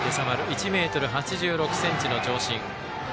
１ｍ８６ｃｍの長身。